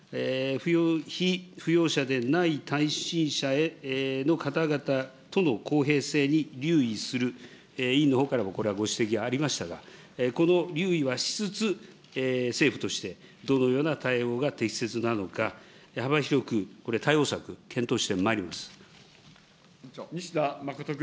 被扶養者でない単身者の方々との公平性に留意する、委員のほうからもこれはご指摘がありましたが、この留意はしつつ、政府としてどのような対応が適切なのか、幅広くこれ、対応策、西田実仁君。